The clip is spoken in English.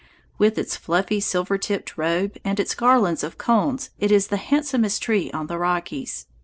With its fluffy silver tipped robe and its garlands of cones it is the handsomest tree on the Rockies.